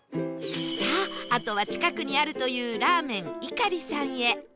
さああとは近くにあるというラーメンいかりさんへ